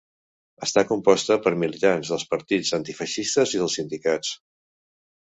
Estaria composta per militants dels partits antifeixistes i dels sindicats.